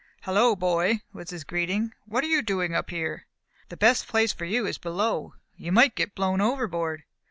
"Hello, boy," was his greeting, "what are you doing up here? The best place for you is below; you might get blown over board."